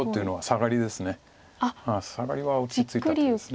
サガリは落ち着いた手です。